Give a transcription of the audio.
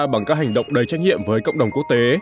bằng các hành động đầy trách nhiệm với cộng đồng quốc tế